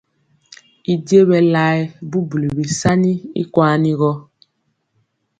Y b je bɛ laɛ bubuli bisaani y kuan.